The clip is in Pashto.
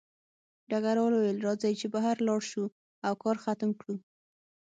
ډګروال وویل راځئ چې بهر لاړ شو او کار ختم کړو